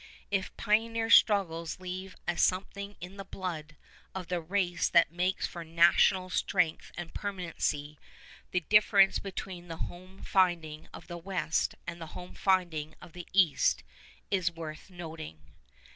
If pioneer struggles leave a something in the blood of the race that makes for national strength and permanency, the difference between the home finding of the West and the home finding of the East is worth noting.